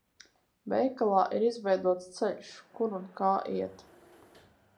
Veikalā ir izveidots ceļš, kur un kā iet.